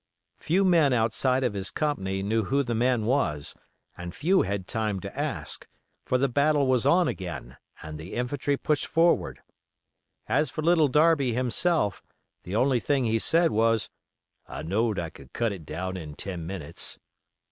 Few men outside of his company knew who the man was, and few had time to ask; for the battle was on again and the infantry pushed forward. As for Little Darby himself, the only thing he said was, "I knowed I could cut it down in ten minutes."